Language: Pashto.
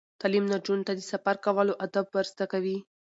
تعلیم نجونو ته د سفر کولو آداب ور زده کوي.